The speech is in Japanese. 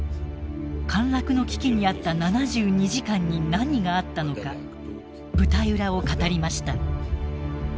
陥落の危機にあった７２時間に何があったのか舞台裏を語りました。